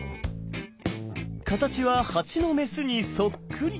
形はハチのメスにそっくり。